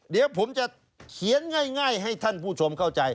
เดี๋ยวผมจะเขียนง่ายให้ท่านผู้ชมเข้าใจ